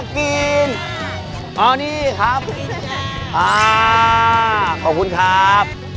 ขอบคุณครับ